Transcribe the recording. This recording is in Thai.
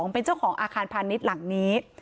เป็นเจ้าของอาคารพาณิชย์หลังนี้